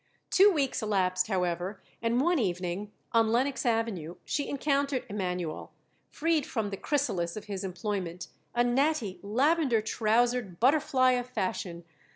Two weeks elapsed, however, and one evening, on Lenox Avenue, she encountered Emanuel, freed from the chrysalis of his employment, a natty, lavender trousered butterfly of fashion.